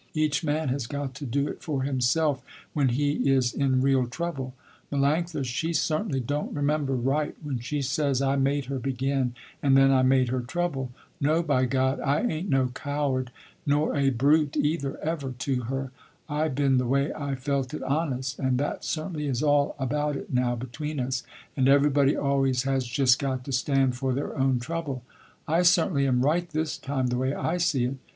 Each man has got to do it for himself when he is in real trouble. Melanctha, she certainly don't remember right when she says I made her begin and then I made her trouble. No by God, I ain't no coward nor a brute either ever to her. I been the way I felt it honest, and that certainly is all about it now between us, and everybody always has just got to stand for their own trouble. I certainly am right this time the way I see it."